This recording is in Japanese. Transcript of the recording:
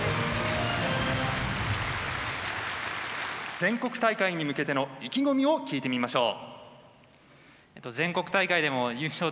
全国大会に向けての意気込みを聞いてみましょう。